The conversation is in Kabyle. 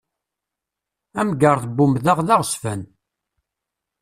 Amgerḍ n umdeɣ d aɣezzfan.